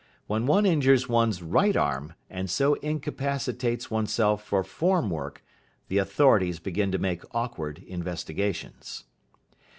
When one injures one's right arm, and so incapacitates oneself for form work, the authorities begin to make awkward investigations.